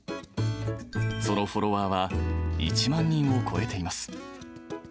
そのフォロワーは１万人を超えています。